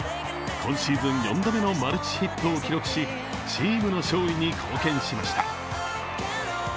今シーズン４度目のマルチヒットを記録し、チームの勝利に貢献しました。